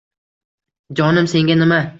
— Jonim, senga nima?!